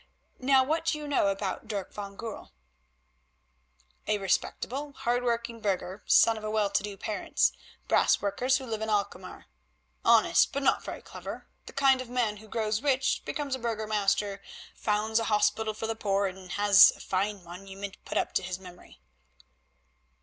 Now what do you know about Dirk van Goorl?" "A respectable, hard working burgher, son of well to do parents, brass workers who live at Alkmaar. Honest, but not very clever; the kind of man who grows rich, becomes a Burgomaster, founds a hospital for the poor, and has a fine monument put up to his memory."